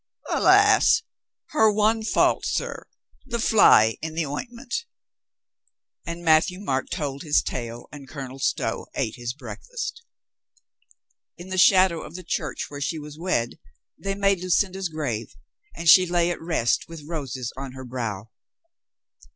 Alas ! Her one fault, sir. The fly in the ointment." And Matthieu Marc told his tale and Colonel Stow ate his breakfast . In the shadow of the church where she was wed they made Lucinda's grave and she lay at rest with roses on her brow.